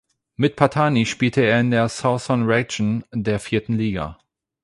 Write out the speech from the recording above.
Mit Pattani spielte er in der Southern Region der vierten Liga.